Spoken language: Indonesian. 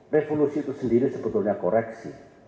revolusi itu sendiri sebetulnya koreksi